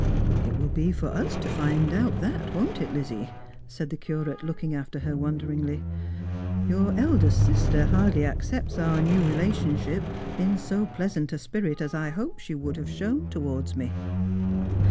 " It will be for us to find out that, won't it, Lizzie ?" said the Curate, looking after her wonderingly. "Your eldest sister hardly accepts our new relationshij? in so pleasant a spirit as 1 hoped she would ha^e shown towards me."